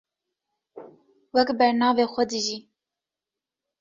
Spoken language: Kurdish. wek bernavê xwe dijî